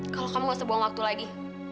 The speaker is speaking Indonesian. kalau kamu gak usah buang waktu lagi